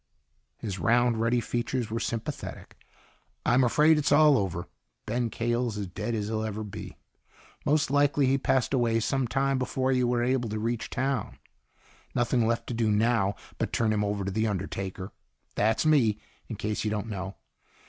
His round, ruddy features were sympathetic. "I'm afraid it's all over. Ben Cahill's as dead as he'll ever be. Most likely he passed away some time before you were able to reach town. Nothing left to do now but turn him over to the undertaker. That's me, in case you don't know.